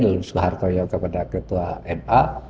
lalu soehartojo kepada ketua ma